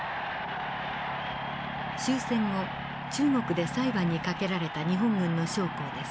終戦後中国で裁判にかけられた日本軍の将校です。